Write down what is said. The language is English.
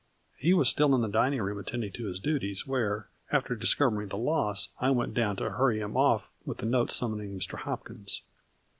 He was still in the dining room attending to his duties, where, after discovering the loss, I went down to hurry him off with the note summoning Mr. Hop kins.